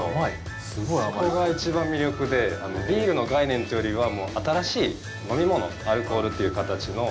そこがいちばん魅力で、ビールの概念というよりは、もう新しい飲み物、アルコールという形の。